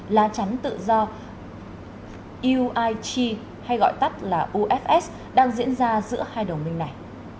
là trắng tự do uig hay gọi tắt là ufs đang diễn ra giữa hai đồng minh này